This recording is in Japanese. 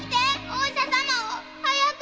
お医者様を早く！